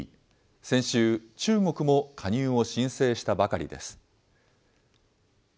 先週、中国も加入を申請したばかりです。